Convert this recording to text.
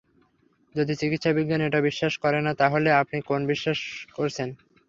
যদি চিকিৎসা বিজ্ঞান এটা বিশ্বাস করে না, তাহলে আপনি কেন বিশ্বাস করছেন?